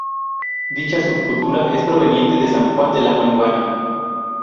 Dicha subcultura es proveniente de San Juan de la maguana.